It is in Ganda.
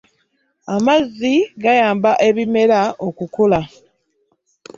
Amazzi gayamba ebimera okkula.